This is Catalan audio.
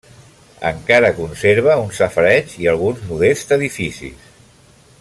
Encara conserva un safareig i alguns modests edificis.